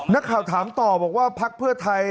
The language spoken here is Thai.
นักข่าวถามตอบว่าพภไทย